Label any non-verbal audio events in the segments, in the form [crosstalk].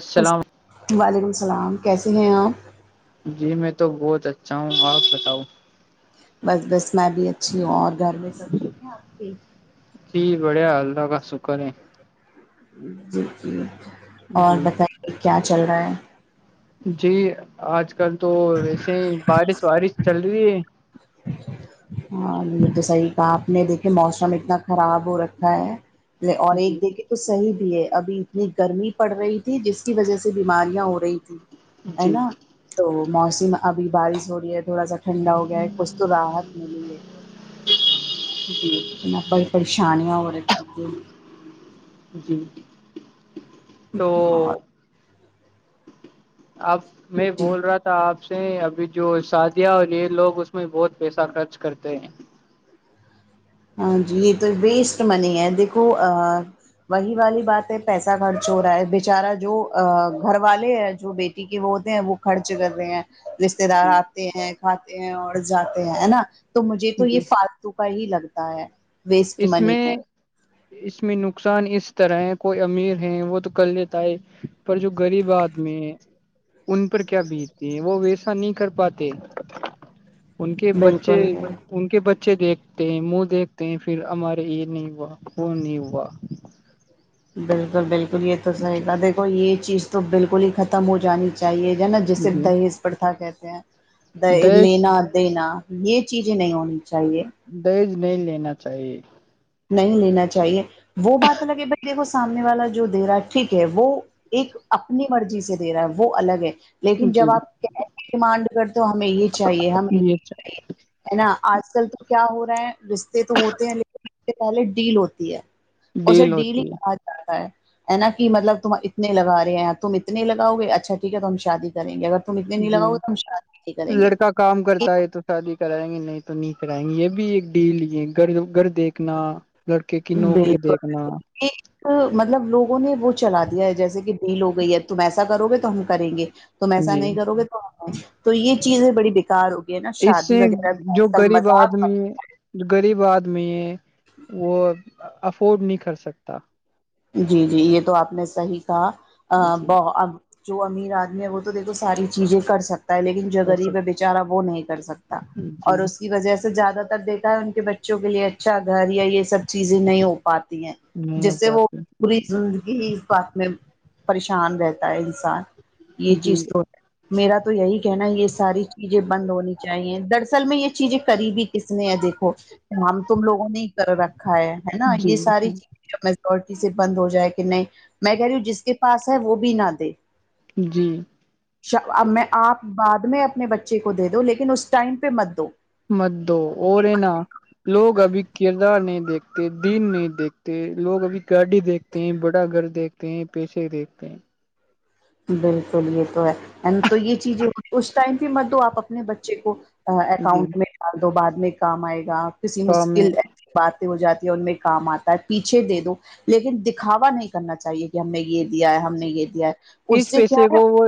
السلام وعلیکم السلام کیسے ہیں آپ جی میں تو بہت اچھا ہوں آپ بتاؤ بس بس میں بھی اچھی ہوں اور گھر میں سب چیزیں آپ کے ا ہی بڑیا اللہ کا سکن ہے جی ج اور جی بتائیے کیا چل رہا ہے جی آج کل تو ویسے ہی بارش وارش چل رہی ہے [unintelligible] ہاں یہ تو صحیح کہا آپ نے دیکھے موسم اتنا خراب ہو رکھا ہے اور ایک جی دیکھے تو صحیح بھی ہے ابھی اتنی گرمی پڑ رہی تھی جس کی وجہ سے بیماریاں ہو رہی تھھی ہے جی نا تو موسم ابھی بارش ہو رہی ہے تھوڑا سا ٹھنڈا ہو گیا ہے کچھ تو راحت ملی ہے جی میں نے بڑی پریشانیاں ہو رکھی جی تو ہاں اب میں جی بول رہا تھا آپ سے ابھی جو شادیاں ہولی ہے لوگ اس میں بہت پیسہ خرچ کرتے ہیں ہاں جی یہ تو ویسٹ منی ہے دیکھو وہی والی بات ہے پیسہ خرچ ہو رہا ہے بچارا جو گھر والے ہے جو بی وہ ہوتے ہیں وہ خرچ کر رہے ہیں رشتے دار جی آتے ہیں کھاتے ہیں اور جاتے ہیں نا تو مجھے تو جی یہ ف کا ہی لگتا ہے ویسٹ اس منی میں ہے اس میں نقصان اس طرح ہے کوئی امیر ہے وہ تو کر لیتا ہے پر جو غریب آدمی ان پر کیا بیتتے ہیں وہ ویسا نہیں کر پاتے ان کے بچے بالکل ان کے بچے دیکھتے ہیں منہ دیکھتے ہیں پھر ہمارے یہ نہیں ہوا کو نہیں ہوا بالکل بالکل یہ تو صحیح جی کا دیکھو یہ چیز تو بالکل ہی ختم ہو جانی چاہیے ج نا جیسے جی دہیز پرتا کہتے ہیں دہ دج لینا دینا یہ چیزیں نہیں ہونی چاہیے دیز نہیں لینا چاہیے نہیں لینا چاہیے وہ بات لگے بھائی دیکھو سامنے والا جو دیرا ٹھیک ہے وہ ایک اپنی مرضی سے دے رہا ہے وہ الگ ہے لیکن جی جب آپ کی ڈیمانڈ کرتے ہمیں یہ چاہیے ہمیں یہ چاہیے ہے نا آج کل تو کیا ہو رہا ہے رشتے تو ہوتے ہیں ل سے پہلے ڈیل ہوتی ہے اسے ڈیل ہی ہوتی ہے کہا جاتا ہے ہے نا مطلب تم اتنے لگ رہے ہیں تم اتنے لگاؤ گے اچھا ٹھیک ہے تو ہم شادی کریں گے اگر تم اتنے نہیں جی لگاؤ ت ش کریں گے لڑکا کام کرتا ہے تو شادی کرائیں گے نہیں تو نہیں کرائیں گے یہ بھی ایک ڈیل یہ گھر گھر دیکھ دیکھنا لڑکے کی نوکری دیکھنا بالکل ایک مطلب لوگوں نے وہ چلا دیا ہے جیسے کہ نہیں لو گئی ا تم ایسا کرو گے تو ہم کریں گے تم ایسا جی نہیں کرو گے تو تو یہ چیزیں بڑی بیکار ہو گئی ہے نا اس شادی سے وغیرہ بھی جو آج کل غریب مذاق آدمی ہے جو غریب آدمی ہے وہ افورڈ نہیں کر سکتا جی جی یہ تو آپ نے صحیح کہا جی بب [unintelligible] جو امیر آدمی ہے وہ تو دیکھو ساری چیزیں کر سکتا ہے لیکن جو کر غریب ہے سک بیچارا وہ نہیں کر سکتا جی اور اس کی وجہ سے زیادہ تر دیکھ ان کے بچوں کے لیے اچھا گھر یا یہ سب چیزیں نہیں ہو پاتی ہیں نہیں ہو جس سے وہ پاتی پوری زندگی اس بات میں پریشان رہتا ہے انسان یہ جی چیز تو میرا تو یہی کہنا یہ ساری چیزیں بند ہونی چاہیے دراصل میں یہ چیزیں کرریبی کس نے ہے دیکھو ہم تم لوگوں نے ہی کر رکھا ہے نا جی یہ ساری چیز میزور اسے بند ہو جائے کہ نہیں میں کہی جس کے پاس ہے وہ بھی نہ دے جی اب میں آپ بعد میں اپنے بچے کو دے دو لیکن اس ٹائم پہ مت دو مدد دو اور رہے نہ لوگ ابھی کردار نہیں دیکھتے دین نہیں دیکھتے لوگ ابھی گاڑی دیکھتے دیکھتے ہیں بڑا گھر دیکھتے ہیں پیشے دیکھتے ہیں بالکل یہ تو ہے این تو یہ چیزیں اس ٹائم بھی مت دو آپ اپنے بچے کو جی اکاؤنٹ میں بد دو بعد میں کام آئے گا کسی تو ہمیں مشکل باتیں ہو جاتی ہے ان میں کام آتا ہے پیچھے دے دو لیکن دکھاوا نہیں کرنا چاہیے کہ ہم نے یہ دیا ہے ہم نے یہ دیا ہے اس سے کیا پیسے کو وہ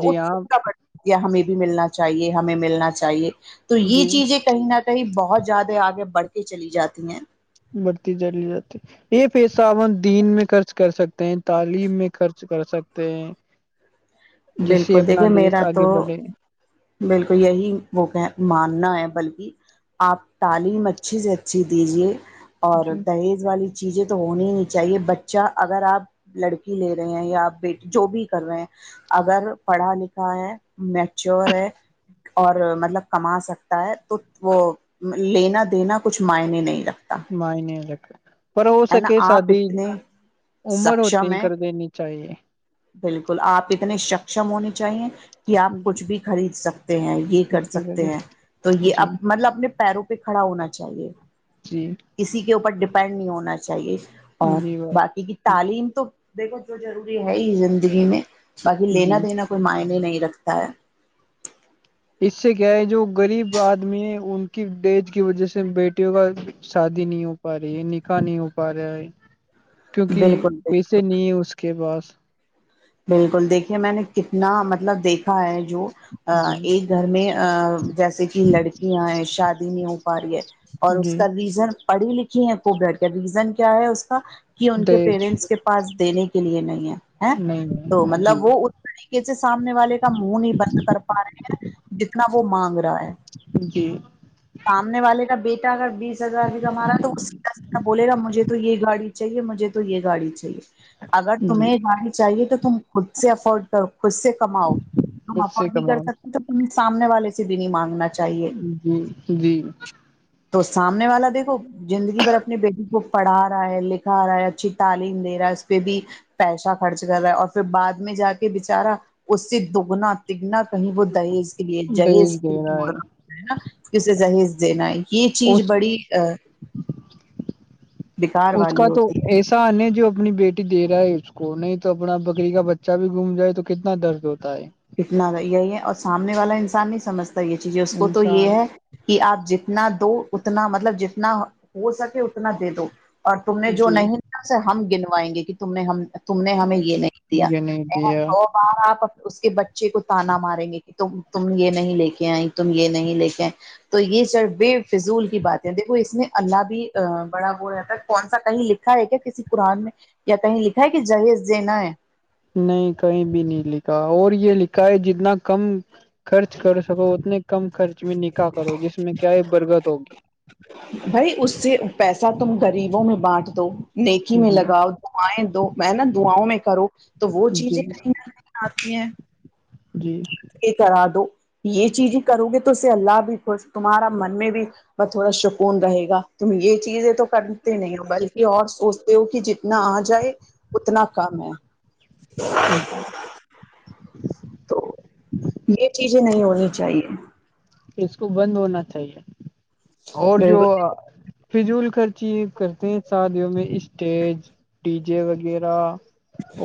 جی ہاں پڑتی ہمیں بھی ملنا چاہیے ہمیں ملنا چاہیے تو یہ جی چیزیں کہیں نہ کہیں بہت زیادہ آگے بڑھ کے چلی جاتی ہیں بڑھتی چانلی جاتی ہے۔ یہ پیس دین میں خرچ کر سکتے ہیں تعلیم میں خرچ کر سکتے ہیں جس سے بالکل اپنا دیکھیے دیش میرا آگے تو بڑھے بالکل یہی وہ کہ ماننا ہے بلکہ آپ تعلیم اچھی سے اچھی دیجیے اور جی دہیز والی چیزیں تو ہونی ہی نہیں چاہیے بچہ اگر آپ لڑکی لے رہے ہیں یاپ بیٹ جو بھی کر رہے ہیں اگر پڑھا لکھا ہے میچور ہے اور مطلب کما سکتا ہے تو وہ لینا دینا کچھ معائنی نہیں رگتا مائن لک پر ہو سکے آپ شادی اتنے عمر ہوتی سکشم ہی ہیں کر دینی چاہیے بالکل آپ اتنے سکم ہونے چاہیے کہ آپ جی کچھ بھی خرید سکتے ہیں یہ کر سکتے جی ہیں تو یہ جی مطلب اپنے پیروں کو پہ کھڑا ہونا چاہیے جی کسی کے اوپر ڈیپینڈ نہیں ہونا چاہیے اور جی باقی کی تعلیم تو دیکھو جو ضروری ہے ہی زندگی میں باقی لینا جی دینا کوئی معنی نہیں رکھتا ہے اس سے کیا ہے جو غریب آدمی ہے ان کی ڈیج کی وجہ سے بیٹیوں کا شادی نہیں ہو پا رہی ہے نکاح نہیں ہو پا رہا ہے کیونکہ بالکل بالکل پیسے نہیں ہے اس کے پاس بالکل دیکھیے میں نے کتنا مطلب دیکھا ہے جو ا جی ایک گھر میں ا جیسے کہ لڑکیاں ہیں شادی نہیں ہو پا رہی ہے اور اس جی کا ریزن پڑھی لکھی ہے کو بیٹھ ریزن کیا ہے اس کا کہ ان کے دج پیرنٹس کے پاس دینے کے لیے نہیں ہے نہیں تو نہیں جی مطلب وہ اس طریقے سے سامنے والے کا منہ نہیں بند کر پا رہے ہیں جتنا وہ مانگ رہا ہے جی سامنے والے کا بیٹا اگر بیس ہزار بھی کمارا تو اس حاب سے بولے گا مجھے تو یہ گاڑی چاہیے مجھے تو یہ گاڑی چاہیے اگر جی تمہیں یہ گاڑی چاہیے تو تم خود سے افورڈ کرو خود سے کماؤ ہم خود سے افورڈ نہیں کر کماؤ سکتے تو ت سامنے والے سے بھی نہیں مانگنا چاہیے جی جی تو سامنے والا دیکھو زندگی بھر اپنے بیٹی کو پڑھا رہا ہے لکھا رہا ہے اچھی تعلیم دے رہا ہے اس پہ بھی پیسہ خرچ کر رہا ہے اور پھر بعد میں جا کے بچارا اس سے دگنا دگنا کہیں وہ دہیز کے لیے جہیز دہیج کے دے لیے رہا جوڑ رہ ہے نا کہ اسے جہیز دینا ہے یہ چیز اس بڑی ا اس کا والی تو ہوتی ہے ایسا کت نہیں جو اپنی بیٹی دے رہا ہے اس کو نہیں تو اپنا بکری کا بچہ بھی گھوم جائے تو کتنا درد ہوتا ہے کتنا یہی ہے اور سامنے والا انسان نہیں سمجھتا یہ چیزیں اس کو تو یہ انسان ہے کہ آپ جتنا دو اتنا مطلب جتنا ہو سکے اتنا دے دو اور تم نے جو جی نہیں سے ہم گنوائیں گے کہ تم نے ہم تم نے ہمیں یہ نہیں دیا یہ نہیں دیا س بار آپ بچے کو تانا ماریں گے کہ تم یہ نہیں لے کےے ہیں تم یہ نہیں لے کے ہیں تو یہ چربے فضول کی بات ہےیکھو اس میں اللہ بھی بڑا ہو رہا تھا کون سا کہیں لکھ ا ہے کیا کسی قرآن میں یا کہیں لکھا ہے کہ جہیز جینا ہے نہیں کہیں بھی نہیں لکھا اور یہ لکھا ہے جتنا کم خرچ کر سکو اتنے کم خرچ میں نکح کرو جس میں کیا ہے برکد ہوگی بھائی اس سے پیسہ تم غریبوں میں بانٹ دو نیکی میں جی لگاؤ دعائیں دو میں نا دعاؤں میں کرو تو وہ جی چیزیں کہیں نہ آتی ہے [unintelligible] جی [inaudible] یہ کرا دو یہ چیز ہی کرو گے تو اس سے اللہ بھی خوش تمہارا من میں بھی ب تھوڑا سکون رہے گا تم یہ چیز ہے تو کرتے نہیں ہو بلکہ اور سوچتے ہو کہ جتنا آ جائے اتنا کام ہے [unintelligible] تو یہ چیزیں نہیں ہونی چاہیے اس کو بند ہونا چاہیے اور جو بالکل فضول خرچی کرتے ہیں شادیوں میں اسٹیج ڈی جے وغیرہ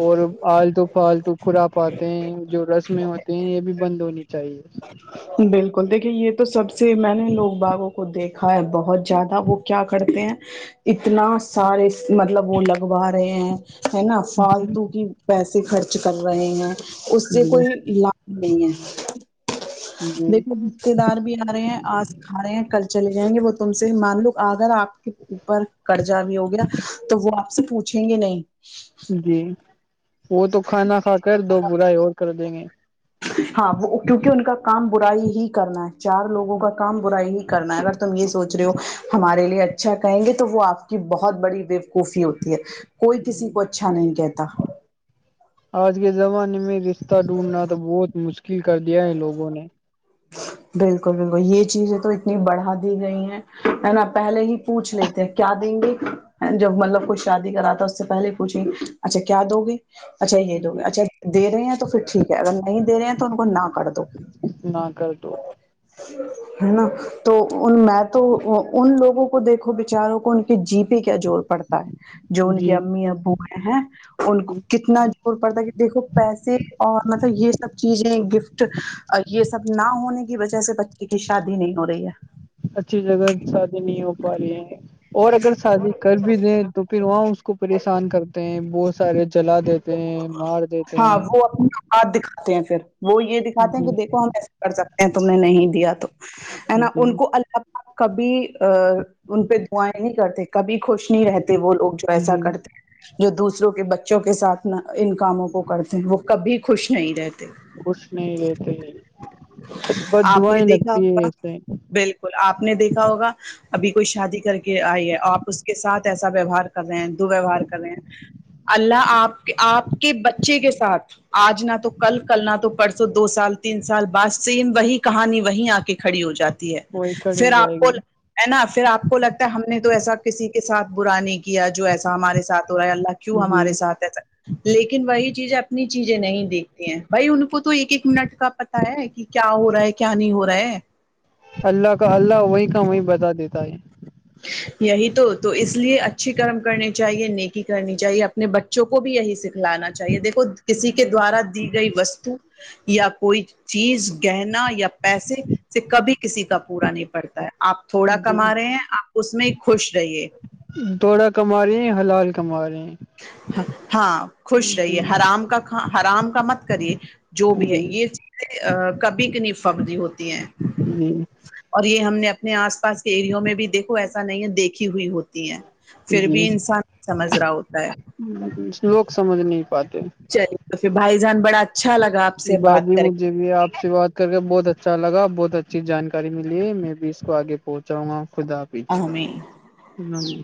اور آالتو پالتو کھرا پاتے ہیں جو رسمیں ہو کہ یہ بھی بند ہونی چاہیے [unintelligible] بالکل دیکھیے یہ تو سب سے میں نے لوگ باغوں کو دیکھا ہے بہت زیادہ وہ کیا کرتے ہیں اتنا سارے مطلب وہ لگوا رہے ہیں ہے نا فالتو کی پیسے خرچ کر رہے ہیں اس سے جی کوئی لابھ نہیں ہے جی جی دیکھو رشتے دار بھی آ رہے ہیں آج [unintelligible] کھا رہے ہیں کل چلے جائیں گے وہ تم سے مان لو اگر آپ کے اوپر قرضا بھی ہو گیا تو وہ آپ سے پوچھیں گے نہیں جی وہ تو کھانا کھا کر دو برائی اور کر دیں گے ہاں وہ کیونکہ ان کا کام برائی ہی کرنا ہے چار لوگوں کا کام برائی ہی کرنا ہے اگر تم یہ سوچ رہے ہو ہمارے لیے اچھا کہیں گے تو وہ آپ کی بہت بڑی ویوکوفی ہوتی ہے کوئی کسی کو اچھا نہیں کہتا آج کے زمانے میں رشتہ ڈھونڈنا تو بہت مشکل کر دیا ہے لوگوں نے بالکل بالکل یہ چیزیں تو اتنی بڑھا دی گئی ہیں ہے نا پہلے ہی پوچھ لیتے ہیں کیا دیں گے جب مطلب کچھ شادی کرا اس سے پہلے پوچھیں اچھا کیا دو گے اچھا یہ دو گ جی اچھا دے رہے ہیں تو پھر ٹھیک ہے اگر نہیں دے رہے ہیں تو ان کو نہ ک دو نہ کر تو [unintelligible] ہے نا [unintelligible] تو ان میں تو ان لوگوں کو دیکھو بچاروں کو ان کے جی پ کیا زور پڑتا ہے جو ان کی جی امی ابو ہیں ان کو کتنا پڑتا کہ دیکھو پیسے اور مطلب یہ سب چیزیں گفٹ یہ سب سب نہ ہونے کی وجہ سے بچے کی شادی نہیں ہو رہی ہے اچھی جگہ شادی نہیں ہو پا رہی ہے اور اگر شادی کر بھی دیں تو پھر وہاں اس کو پریشان کرتے ہیں بہت سارے جلا دیتے ہیں مار دیتے ہاں ہیں وہ اپنی اقات دکھاتے ہیں پھر وہ یہ دکھاتے ہیں جی کہ دیکھو ہم ایسے کر سکتے ہیں تم نے نہیں دیا تو ہے نا جی ان کو اللہ کبھی ان پہ دعائیں نہیں کرتے کبھی خوش نہیں رہتے وہ لوگ ایسا جی کرتے ہیں جو دوسروں کے بچوں کے ساتھ اپنا ان کاموں کو کرتے ہیں وہ کبھی خوش نہیں رہتے خوش نہیں رہتے آپ دع نے ہی دیکھا لگتی ہے ہوگا ایسے بالکل آپ نے دیکھا ہوگا ابھی کوئی شادی کر کے آئی ہے آپ اس کے ساتھ ایسا ویوہار کر رہے ہیں دو ویوہار کر رہے ہیں اللہ آپ آپ کے بچے کے ساتھ آج نہ تو کل کل نہ تو پرسوں دو سال تین سال بعد سیم وہی کہانی وہیں آ کے کھڑی ہو جاتی ہے وہی کھڑی پھر ہو جائے آپ کو گی ہے نا پھر آپ کو لگتا ہے ہم نے تو ایسا کسی کے ساتھ برا نہیں کیا جو ایسا ہمارے ساتھ ہو رہا ہے اللہ کیوں جی ہمارے سھ ایس لیکن وہی چیزیں اپنی چیزیں نہیں دیکھتی ہیں بھائی ان کو تو ایک ایک منٹ کا ہے کہ کیا ہو رہا ہے کیا نہیں ہو رہا ہے اللہ کا اللہ وہیں کا وہیں بتا دیتا ہے [inaudible] یہی تو تو اس لیے اچھی کرم کرنی چاہیے نیکی کرنی چاہیے اپنے بچوں کو بھی یہی سے لانا چاہیے دیکھو کسی کے جی دوارا دی گئی وستو یا کوئی چیز گہنا یا پیسے سے کبھی کسی کا پورا نہیں پڑتا ہے آپ تھوڑا جی کما رہے ہیں آپ اس میں ہی خوش رہیے دوڑا کما رہی ہیں حلال کما رہی ہیں ہاں خوش رہیے جی حرام کا حرام کا مت کریے جو بھی ہے جی یہ چیزیں کبھی کینی فبی ہوتی ہیں [inaudible] اور یہ ہم نے اپنے آس پاس کے ایریوں میں بھی دیکھ ایسا نہیں ہے دیکھی ہوئی ہوتی ہے پھر جی بھی انسان سمجھ رہا ہوتا ہے لوگ سمجھ نہیں پاتے چلی تو پھر بھائی جان بڑا اچھا لگا سے بات جی کر کے مجھے بھی آپ سے بات کر کے بہت اچھا لگا بہت اچھا ای جانکاری ملی ہے میں بھی اس کو آگے پہنچاؤں گا خدا پچ آمین جی